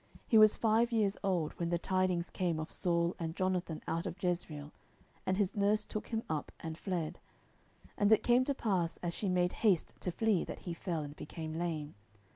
He was five years old when the tidings came of Saul and Jonathan out of Jezreel, and his nurse took him up, and fled: and it came to pass, as she made haste to flee, that he fell, and became lame.